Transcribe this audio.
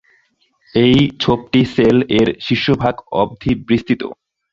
এই ছোপটি সেল এর শীর্ষভাগ অবধি বিস্তৃত।